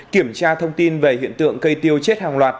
kiểm tra thông tin về hiện tượng cây tiêu chết hàng loạt